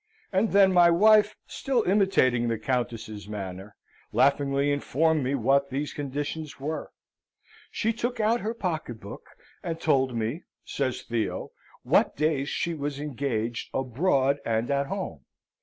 And then my wife, still imitating the Countess's manner, laughingly informed me what these conditions were. "She took out her pocket book, and told me," says Theo, "what days she was engaged abroad and at home.